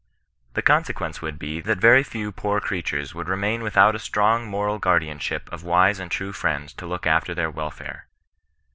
The consequ^ice would be, that very few poor creatures would remain without a strong moral guardianship of wise and true friends to look after their welfare.